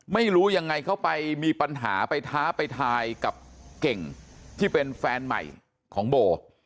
ไม่รู้ยังไงเขาไปมีปัญหาไปท้าไปทายกับเก่งที่เป็นแฟนใหม่ของโบ